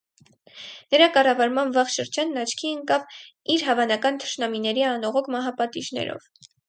Նրա կառավարման վաղ շրջանն աչքի ընկավ իր հավանական թշնամիների անողոք մահապատիժներով։